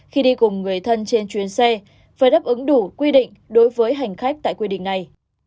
khi đi cùng người thân trên chuyến xe phải đáp ứng đủ quy định đối với hành khách tại quy định này